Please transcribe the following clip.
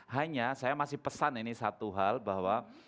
hanya saya masih pesan ini satu hal bahwa